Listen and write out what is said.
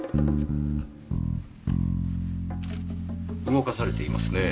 動かされていますねぇ